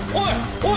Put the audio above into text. おい！